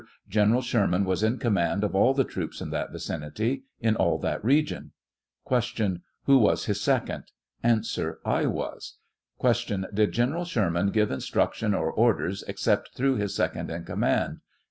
General Sherman was in command of all the troops in that vicinity; in all that region. Q. Who was bis second ? A. I was. Q. Did General Sherman give instructions or orders except through his second in command